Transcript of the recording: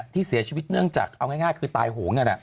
ที่เสียชีวิตเนื่องจากเอาง่ายคือตายโหงนั่นแหละ